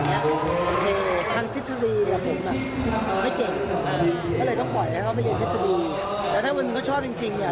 ทางเทศดีผมไม่เก่งตลอดก็ต้องปล่อยให้เข้าไปเรียนเทศดีแล้วถ้ามรึงมันก็ชอบจริงฟังเนี่ย